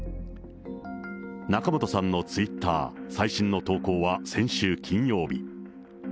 仲本さんのツイッター、最新の投稿は先週金曜日。